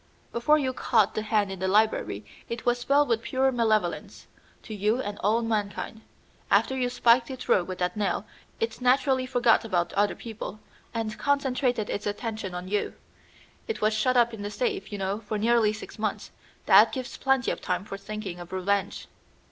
Before you caught the hand in the library it was filled with pure malevolence to you and all mankind. After you spiked it through with that nail it naturally forgot about other people, and concentrated its attention on you. It was shut up in the safe, you know, for nearly six months. That gives plenty of time for thinking of revenge."